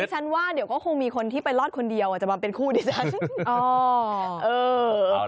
ฉันว่าเดี๋ยวก็คงมีคนที่ไปรอดคนเดียวอาจจะมาเป็นคู่ดิฉัน